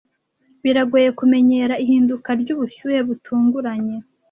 Biragoye kumenyera ihinduka ryubushyuhe butunguranye.